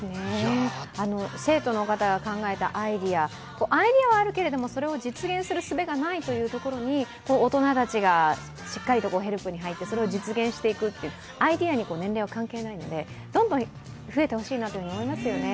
生徒の方が考えたアイデア、アイデアはあるけれども、それを実現するすべがないというところに大人たちがしっかりヘルプに入って実現していくという、アイデアに年齢は関係ないので、どんどん増えてほしいなと思いますよね。